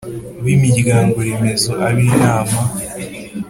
b’imiryango remezo, ab’inama,